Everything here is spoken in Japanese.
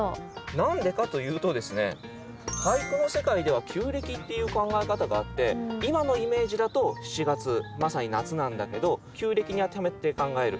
何でかと言うとですね俳句の世界では旧暦っていう考え方があって今のイメージだと７月まさに夏なんだけど旧暦に当てはめて考える。